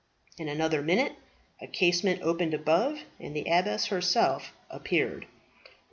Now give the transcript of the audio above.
In another minute a casement opened above, and the abbess herself appeared.